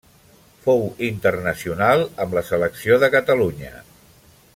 Fou internacional amb la selecció de Catalunya.